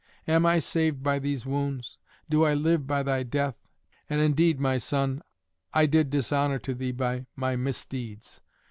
Am I saved by these wounds? Do I live by thy death? And indeed, my son, I did dishonour to thee by my misdeeds.